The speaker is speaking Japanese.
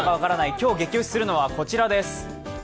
今日ゲキ推しするのはこちらです。